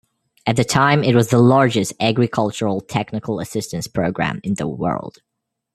At the time it was the largest agricultural technical assistance program in the world.